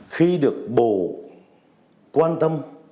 khi được bộ quan tâm